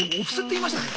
言いましたね。